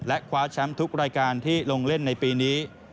และคว้าแชมป์ทุกรายการที่ลงเล่นในปีนี้